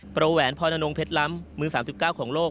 ประแหวนพรนงเพชรล้ำมือ๓๙ของโลก